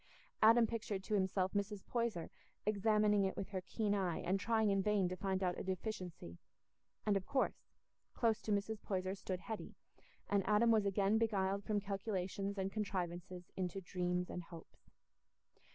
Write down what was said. Adam pictured to himself Mrs. Poyser examining it with her keen eye and trying in vain to find out a deficiency; and, of course, close to Mrs. Poyser stood Hetty, and Adam was again beguiled from calculations and contrivances into dreams and hopes.